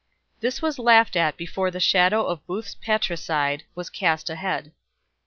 This was laughed at before the shadow of Booth's patricide was cast ahead.